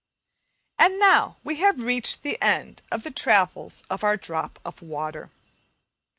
And now we have reached the end of the travels of our drop of water.